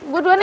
gue duan ya